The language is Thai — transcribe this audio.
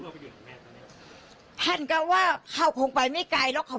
มเพลิงลูกเขาคือแม่ต่อเนี่ยพันก็ว่าเขาคงไปไม่ไกลแล้วเขา